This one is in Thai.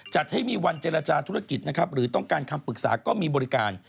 จัดให้มีวันเจรจาธุรกิจนะครับหรือต้องการคำปรึกษาก็มีบริการ